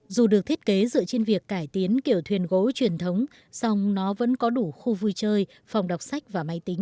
dù được thiết kế dựa trên việc cải tiến kiểu thuyền gố truyền thống song nó vẫn có đủ khu vui chơi phòng đọc sách và máy tính